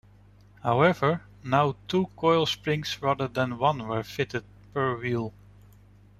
However, now two coil springs rather than one were fitted per wheel.